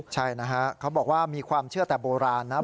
ใช่นะฮะเขาบอกว่ามีความเชื่อแต่โบราณนะ